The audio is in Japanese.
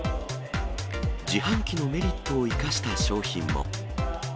自販機のメリットを生かした商品も。